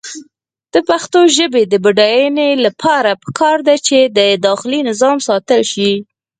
د پښتو ژبې د بډاینې لپاره پکار ده چې داخلي نظام ساتل شي.